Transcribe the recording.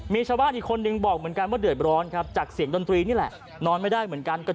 มีชาวบ้านอีกคนบอกเหมือนกันว่าเดือดร้อน